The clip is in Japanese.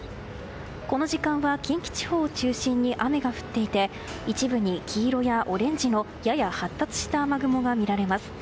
この時間は近畿地方を中心に雨が降っていて一部に黄色やオレンジのやや発達した雨雲が見られます。